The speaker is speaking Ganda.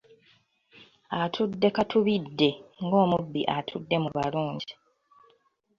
Atudde katubidde ng’omubi atudde mu balungi.